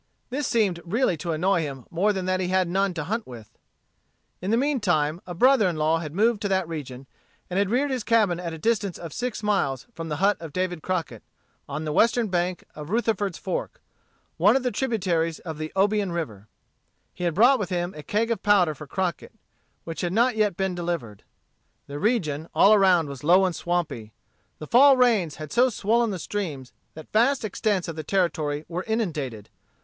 This seemed really to annoy him more than that he had none to hunt with. In the mean time, a brother in law had moved to that region, and had reared his cabin at a distance of six miles from the hut of David Crockett, on the western bank of Rutherford's Fork, one of the tributaries of Obion River. He had brought with him a keg of powder for Crockett, which had not yet been delivered. The region all around was low and swampy. The fall rains had so swollen the streams that vast extents of territory were inundated.